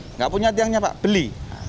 tidak punya tiangnya pak beli